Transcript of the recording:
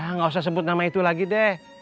ah nggak usah sebut nama itu lagi deh